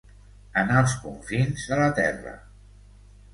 En els confins de la terra.